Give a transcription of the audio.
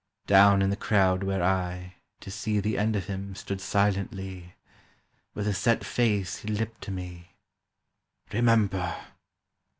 Down in the crowd where I, to see The end of him, stood silently, With a set face he lipped to me— "Remember."